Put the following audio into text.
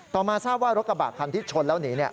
มาทราบว่ารถกระบะคันที่ชนแล้วหนี